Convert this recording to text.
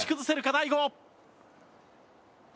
大悟。